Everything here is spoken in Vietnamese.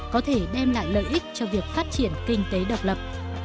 có thể đem lại lợi ích cho việc phát triển kinh tế độc lập